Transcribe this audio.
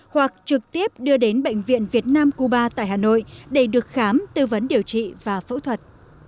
chín trăm linh bốn tám mươi tám năm nghìn năm trăm năm mươi năm hoặc trực tiếp đưa đến bệnh viện việt nam cuba tại hà nội để được khám tư vấn điều trị và phẫu thuật